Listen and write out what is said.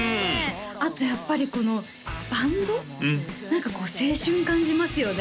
あとやっぱりこのバンド何かこう青春感じますよね